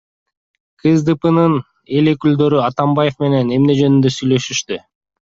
КСДПнын эл өкүлдөрү Атамбаев менен эмне жөнүндө сүйлөшүштү?